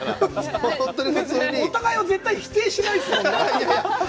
お互いを絶対に否定しないですもんね。